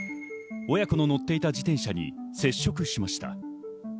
親子の乗っていた自転車に接触しました。